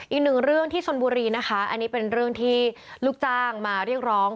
อีกหนึ่งเรื่องที่ชนบุรีนะคะอันนี้เป็นเรื่องที่ลูกจ้างมาเรียกร้อง